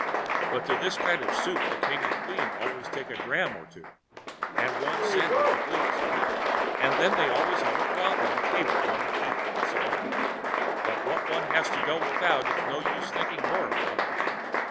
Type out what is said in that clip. "But to this kind of soup the king and the queen always take a dram or two, and one sandwich at least. And then they always have a cloth on the table when they eat," he said. "But what one has to go without, it's no use thinking more about."